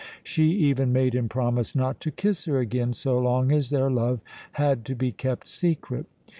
She even made him promise not to kiss her again so long as their love had to be kept secret.